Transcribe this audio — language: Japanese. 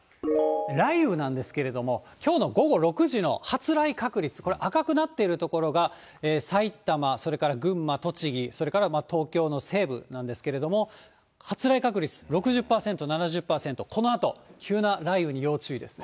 雷雨なんですけれども、きょうの午後６時の発雷確率、これ、赤くなっている所が埼玉、それから群馬、栃木、それから東京の西部なんですけれども、発雷確率６０％、７０％、このあと、急な雷雨に要注意です。